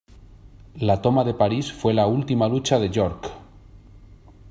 La toma de París fue la última lucha de Yorck.